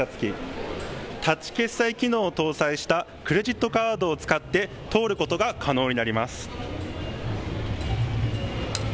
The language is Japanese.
タッチ決済機能を搭載したクレジットカードを使って通ることが可能になります。